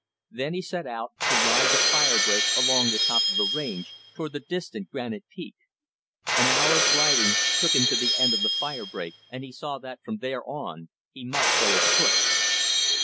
Then he set out, to ride the fire break along the top of the range, toward the distant Granite Peak. An hour's riding took him to the end of the fire break, and he saw that from there on he must go afoot.